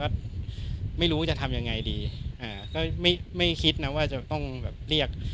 ก็ไม่รู้จะทำยังไงดีอ่าก็ไม่ไม่คิดนะว่าจะต้องแบบเรียก